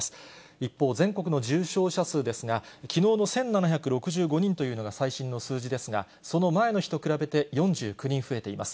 一方、全国の重症者数ですが、きのうの１７６５人というのが最新の数字ですが、その前の日と比べて４９人増えています。